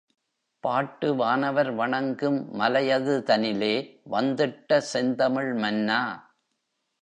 பாட்டு வானவர் வணங்கும் மலையதுதனிலே வந்திட்ட செந்தமிழ் மன்னா!